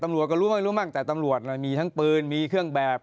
ตำรวจก็รู้ไม่รู้มั่งแต่ตำรวจมีทั้งปืนมีเครื่องแบบ